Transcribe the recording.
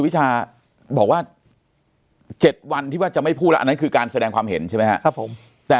เจ็ดวันที่ว่าจะไม่พูดอันนั้นคือการแสดงความเห็นใช่ไหมครับแต่